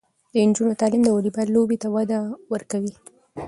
د نجونو تعلیم د والیبال لوبې ته وده ورکوي.